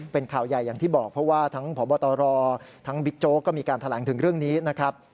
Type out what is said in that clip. เป็นข่าวใหญ่อย่างที่บอกเพราะว่าทั้งพบตรทั้งบิ๊กโจ๊กก็มีการแถลงถึงเรื่องนี้นะครับ